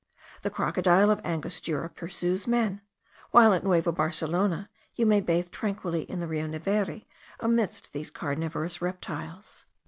The crocodile of Angostura pursues men, while at Nueva Barcelona you may bathe tranquilly in the Rio Neveri amidst these carnivorous reptiles.